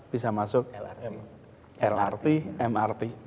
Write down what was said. bisa masuk mrt